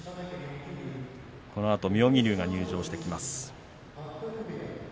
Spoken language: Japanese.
このあと妙義龍が入場してきます。